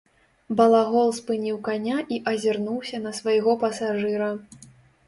Балагол спыніў каня і азірнуўся на свайго пасажыра.